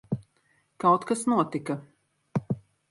Kaut kas notika.